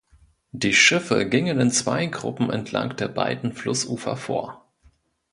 Die Schiffe gingen in zwei Gruppen entlang der beiden Flussufer vor.